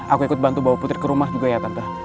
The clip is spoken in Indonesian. aku ikut bantu bawa putri ke rumah juga ya tante